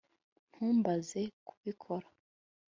Ntumbaze kubikora